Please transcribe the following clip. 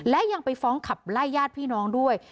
และยังไปฟ้องขับไล่ญาติพี่น้องด้วย